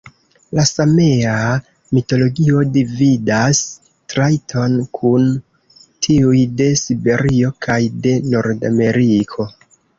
La Samea mitologio dividas trajtojn kun tiuj de Siberio kaj de Nordameriko.